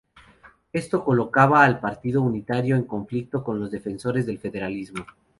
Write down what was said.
Esto colocaba al Partido Unitario en conflicto con los defensores del federalismo.